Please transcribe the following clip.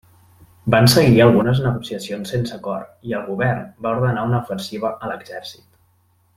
Van seguir algunes negociacions sense acord i el govern va ordenar una ofensiva a l'exèrcit.